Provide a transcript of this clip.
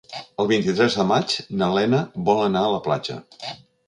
El vint-i-tres de maig na Lena vol anar a la platja.